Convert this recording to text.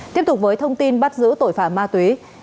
tiếp tục với thông tin bắt giữ tội phạm ma túy